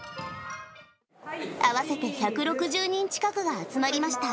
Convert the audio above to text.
合わせて１６０人近くが集まりました。